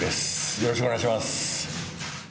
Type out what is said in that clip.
よろしくお願いします。